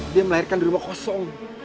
dia melahirkan di rumah kosong